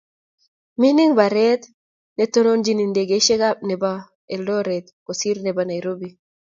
mining mbaret ne tononchini ndegesiek nebo Eldoret kosir nebo Nairobi